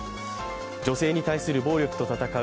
女性に対する暴力と闘う